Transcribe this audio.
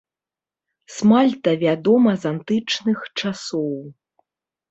Смальта вядома з антычных часоў.